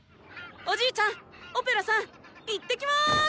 おじいちゃんオペラさんいってきます！